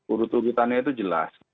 urut urutannya itu jelas